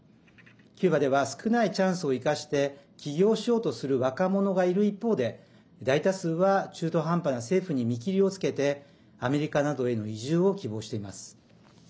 キューバでは少ないチャンスを生かして起業しようとする若者がいる一方で大多数は中途半端な政府に見切りをつけてアメリカなどへの移住を希望しています。